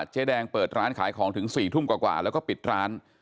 เจ๊แดงเปิดร้านขายของถึง๔ทุ่มกว่าแล้วก็ปิดร้าน